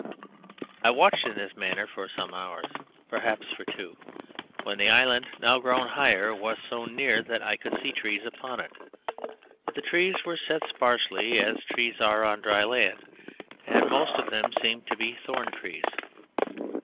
I watched in this manner for some hours perhaps for two when the island, now grown higher, was so near that I could see trees upon it; but they were set sparsely, as trees are on a dry land, and most of them seemed to be thorn trees.